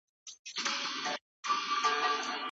ایا ته پوهېږې چې د پیر محمد کاروان ورځ کله ده؟